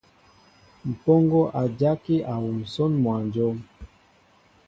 Mpoŋo a jaki a huu nsón mwănjóm.